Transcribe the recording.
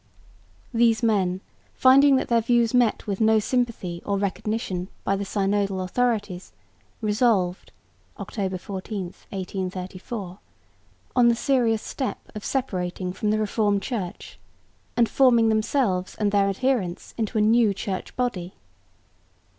These men, finding that their views met with no sympathy or recognition by the synodal authorities, resolved (October 14,1834) on the serious step of separating from the Reformed Church and forming themselves and their adherents into a new church body.